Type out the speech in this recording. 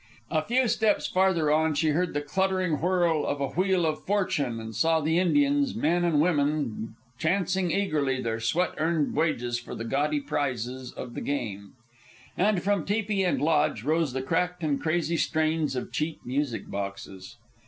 A few steps farther on she heard the cluttering whirl of a wheel of fortune, and saw the Indians, men and women, chancing eagerly their sweat earned wages for the gaudy prizes of the game. And from tepee and lodge rose the cracked and crazy strains of cheap music boxes.